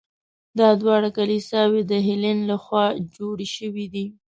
دا دواړه کلیساوې د هیلن له خوا جوړې شوي دي.